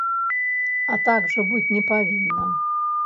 А так жа быць не павінна!